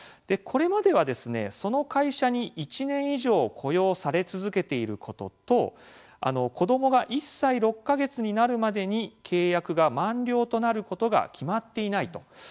これまでは、その会社に１年以上雇用され続けていることと子どもが１歳６か月になるまでに契約が満了となることが決まっていないと。